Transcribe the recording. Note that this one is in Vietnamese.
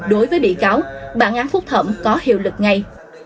đối với bị cáo bản án phúc thẩm có hiệu lực ngay